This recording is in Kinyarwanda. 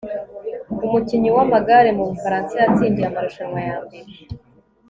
umukinnyi w'amagare mu bufaransa, yatsindiye amarushanwa ya mbere